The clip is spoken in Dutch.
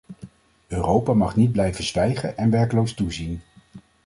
Europa mag niet blijven zwijgen en werkeloos toezien.